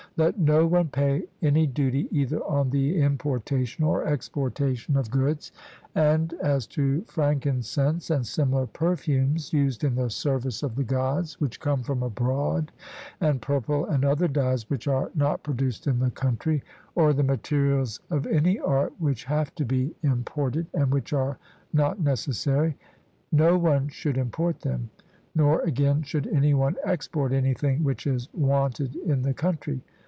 Let no one pay any duty either on the importation or exportation of goods; and as to frankincense and similar perfumes, used in the service of the Gods, which come from abroad, and purple and other dyes which are not produced in the country, or the materials of any art which have to be imported, and which are not necessary no one should import them; nor, again, should any one export anything which is wanted in the country.